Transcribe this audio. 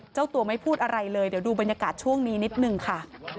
เจ้าตัวไม่พูดอะไรเลยเดี๋ยวดูบรรยากาศช่วงนี้นิดนึงค่ะ